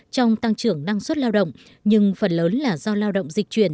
trong tăng trưởng năng suất lao động nhưng phần lớn là do lao động dịch chuyển